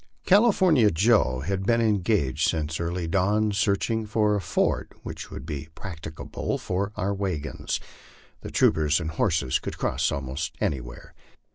California Joe had been engaged since early dawn searching for a ford which would be practicable for our wagons ; the troopers and horses could cross almost anywhere.